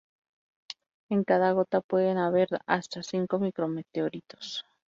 En cada gota pueden haber hasta cinco micrometeoritos.